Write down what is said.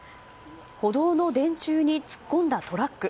歩道の電柱に突っ込んだトラック。